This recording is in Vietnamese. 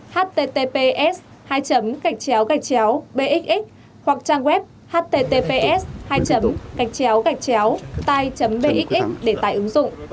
https hai gạch chéo gạch chéo bxx hoặc trang web https hai gạch chéo gạch chéo tai bxx để tải ứng dụng